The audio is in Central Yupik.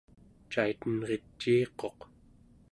caitenriciiquq